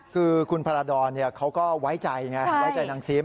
คือคุณพระราดรเขาก็ไว้ใจไงไว้ใจนางซิม